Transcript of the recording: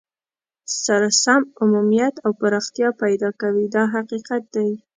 سره سم عمومیت او پراختیا پیدا کوي دا حقیقت دی.